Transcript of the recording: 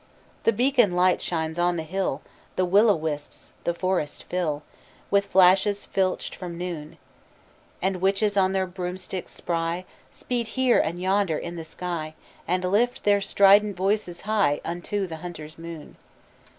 The beacon light shines on the hill, The will o' wisps the forests fill With flashes filched from noon; And witches on their broomsticks spry Speed here and yonder in the sky, And lift their strident voices high Unto the Hunter's moon.